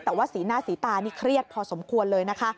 แต่ว่าสีหน้าสีตานี่เครียดพอสมควรเลยนะคะ